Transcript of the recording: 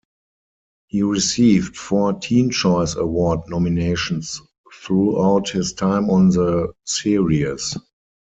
He received four Teen Choice Award nominations throughout his time on the series.